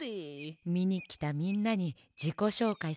みにきたみんなにじこしょうかいするってことね？